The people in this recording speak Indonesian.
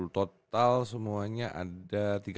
total semuanya ada tiga belas